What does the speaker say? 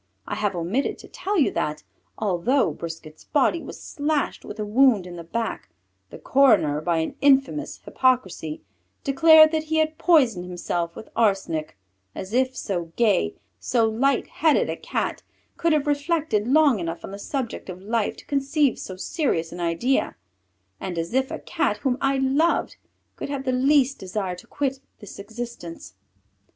I have omitted to tell you that, although Brisquet's body was slashed with a wound in the back, the coroner, by an infamous hypocrisy, declared that he had poisoned himself with arsenic, as if so gay, so light headed a Cat could have reflected long enough on the subject of life to conceive so serious an idea, and as if a Cat whom I loved could have the least desire to quit this existence!